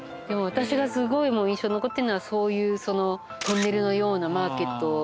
でも私がすごい印象に残ってるのはそういうトンネルのようなマーケット